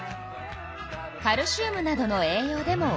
カルシウムなどの栄養でも同じ。